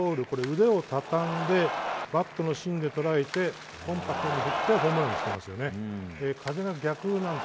腕を畳んでバットの芯で捉えてコンパクトに振ってホームランです。